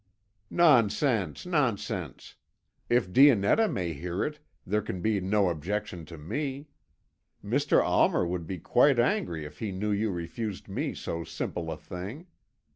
"Nonsense, nonsense! If Dionetta may hear it, there can be no objection to me. Mr. Almer would be quite angry if he knew you refused me so simple a thing.